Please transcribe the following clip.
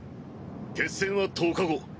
決戦は１０日後。